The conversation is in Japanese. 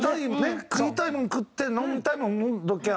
食いたいもん食って飲みたいもん飲んどきゃ